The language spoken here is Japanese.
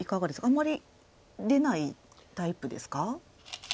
あんまり出ないタイプですか？